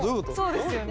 そうですよね？